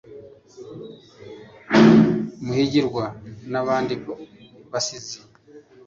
muhigirwa n'abandi babizi